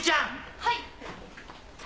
はい！